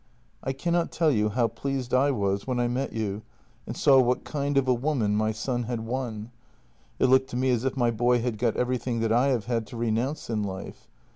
" I cannot tell you how pleased I was when I met you and saw what kind of a woman my son had won. It looked to me as if my boy had got everything that I have had to renounce in life.